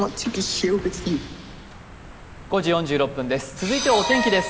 続いてはお天気です。